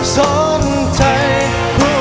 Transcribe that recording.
ยังเพราะความสำคัญ